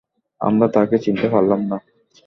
আমরা তাকে চিনতে পারলাম না।